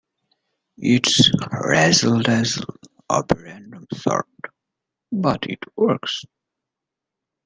It's razzle-dazzle of a random sort, but it works.